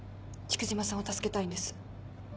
菊島さんを助けたいんです。